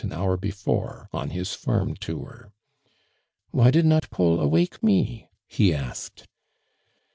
an hour before, on his farm tour. "Why did not Paul awake me?" he asked.